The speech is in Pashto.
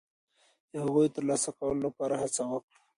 د هغوی د ترلاسه کولو لپاره هڅه وکړو.